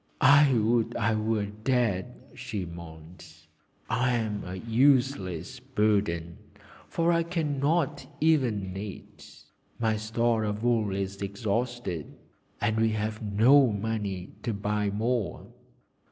'I would I were dead,' she moaned. 'I am a useless burden, for I cannot even knit. My store of wool is exhausted, and we have no money to buy more.'